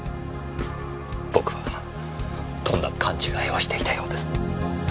僕はとんだ勘違いをしていたようです。え？